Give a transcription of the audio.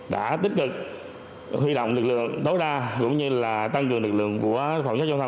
đã tích cực huy động lực lượng tối đa cũng như tăng cường lực lượng của phòng chống dịch